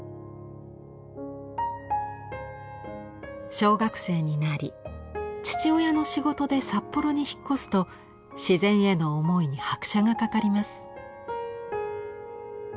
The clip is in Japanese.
小学生になり父親の仕事で札幌に引っ越すと自然への思いに拍車がかかります。